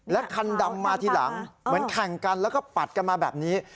คันดำมาทีหลังเหมือนแข่งกันแล้วก็ปัดกันมาแบบนี้